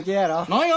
何や？